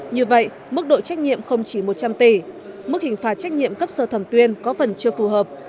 như vậy mức độ trách nhiệm không chỉ một trăm linh tỷ mức hình phạt trách nhiệm cấp sơ thẩm tuyên có phần chưa phù hợp